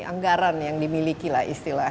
anggaran yang dimiliki lah istilah